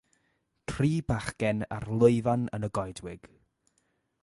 Tri bachgen ar lwyfan yn y goedwig.